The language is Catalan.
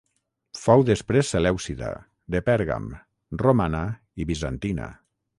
Fou després selèucida, de Pèrgam, romana i bizantina.